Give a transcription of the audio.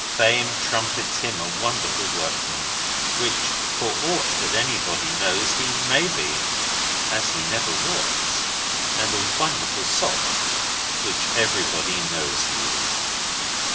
Fame trumpets him a wonderful workman—which, for aught that anybody knows, he may be (as he never works); and a wonderful sot—which everybody knows he is.